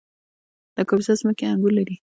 د کاپیسا ځمکې انګور لري